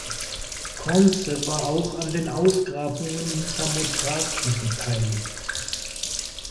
Conze war auch an den Ausgrabungen in Samothraki beteiligt.